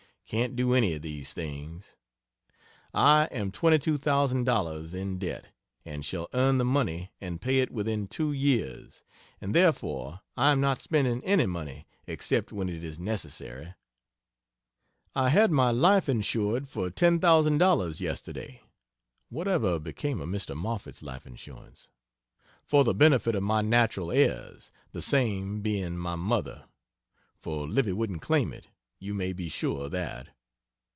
Can't do any of these things. I am twenty two thousand dollars in debt, and shall earn the money and pay it within two years and therefore I am not spending any money except when it is necessary. I had my life insured for $10,000 yesterday (what ever became of Mr. Moffett' s life insurance?) "for the benefit of my natural heirs" the same being my mother, for Livy wouldn't claim it, you may be sure of that.